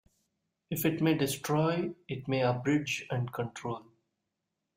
If it may destroy, it may abridge and control.